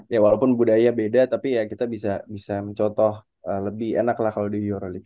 ya walaupun budaya beda tapi ya kita bisa mencontoh lebih enak lah kalau di eurolica